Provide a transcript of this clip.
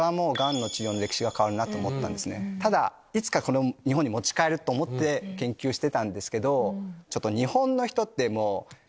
いつか日本に持ち帰ると思って研究してたんですけど。